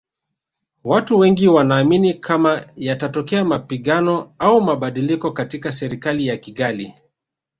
Watu Wengi wanaamini kama yatatokea mapigano au mabadiliko katika Serikali ya Kigali